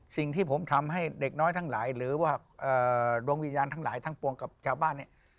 สิ่งที่ผมทำให้เด็กน้อยทั้งหลายหรือว่าดวงวิญญาณทั้งหลายทั้งปวงกับชาวบ้านเนี่ย